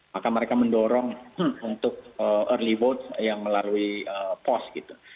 maka mereka mendorong untuk early vote yang melalui pos gitu